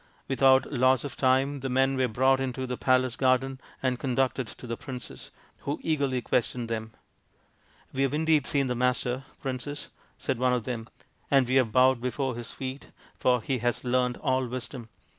Without loss of time the men were brought into the palace garden and conducted to the princess, who eagerly questioned them. " We have indeed seen the Master, Princess," said one of them, " and we have bowed before his feet, for he has learnt all Wisdom.